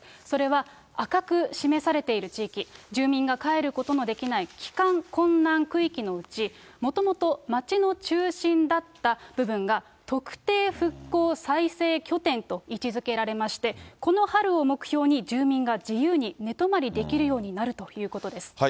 それは、赤く示されている地域、住民が帰ることのできない帰還困難区域のうち、もともと町の中心だった部分が、特定復興再生拠点と位置づけられまして、この春を目標に住民が自由に寝泊まりできるようになるということです。